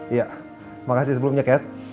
iya makasih sebelumnya kat